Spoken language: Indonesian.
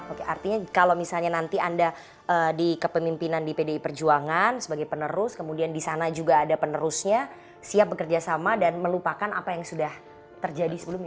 oke artinya kalau misalnya nanti anda di kepemimpinan di pdi perjuangan sebagai penerus kemudian di sana juga ada penerusnya siap bekerja sama dan melupakan apa yang sudah terjadi sebelumnya